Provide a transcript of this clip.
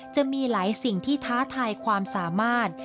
จะมีหลายสิ่งที่ท้าทายความสามารถ